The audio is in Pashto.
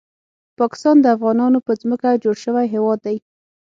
پاکستان د افغانانو په ځمکه جوړ شوی هیواد دی